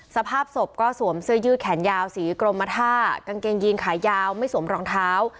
สภาพศพก็สวมเสื้อยืดแขนยาวสีกรมท่ากางเกงยีนขายาวไม่สวมรองเท้า